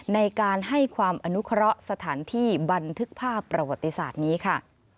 ในการให้ความอนุเคราะห์สถานที่บันทึกภาพประวัติศาสตร์นี้ค่ะ